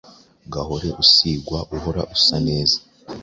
Gahore usigwa uhora usa neza